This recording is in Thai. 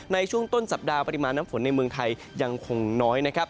ในช่วงต้นสัปดาห์ปริมาณน้ำฝนในเมืองไทยยังคงน้อยนะครับ